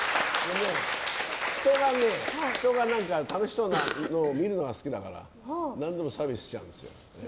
人が楽しそうなところを見るのが好きだから何でもサービスしちゃうんですよ。